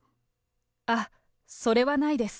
あ、それはないです。